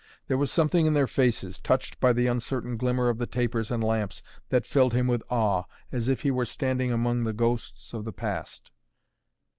There was something in their faces, touched by the uncertain glimmer of the tapers and lamps, that filled him with awe, as if he were standing among the ghosts of the past.